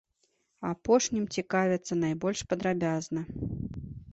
Апошнім цікавяцца найбольш падрабязна.